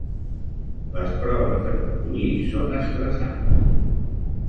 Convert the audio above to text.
Les proves de conduir són estressants.